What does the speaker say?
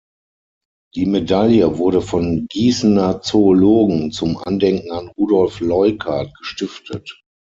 Die Medaille wurde von Gießener Zoologen zum Andenken an Rudolf Leuckart gestiftet.